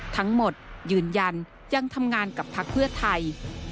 ทั้งหมดยืนยันยังทำงานกับภักดิ์เพื่อไทย